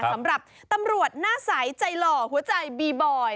สำหรับตำรวจหน้าใสใจหล่อหัวใจบีบอย